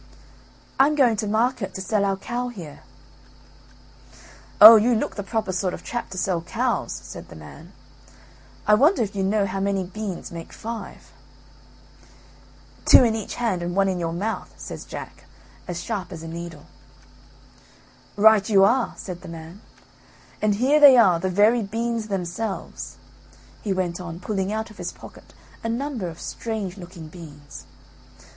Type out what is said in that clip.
"I'm going to market to sell our cow here." "Oh, you look the proper sort of chap to sell cows," said the man; "I wonder if you know how many beans make five." "Two in each hand and one in your mouth," says Jack, as sharp as a needle. "Right you are," said the man, "and here they are the very beans themselves," he went on pulling out of his pocket a number of strange looking beans.